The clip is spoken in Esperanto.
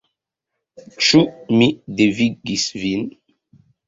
Ĉu mi devigis vin —?